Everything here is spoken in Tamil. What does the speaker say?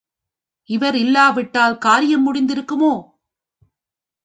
இவர் இல்லாவிட்டால் காரியம் முடிந்திருக்குமோ?